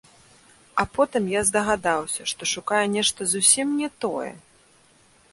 А потым я здагадаўся, што шукаю нешта зусім не тое!